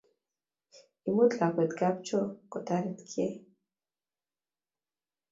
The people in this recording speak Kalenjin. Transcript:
Imut lakwet kapchoo kutoret gei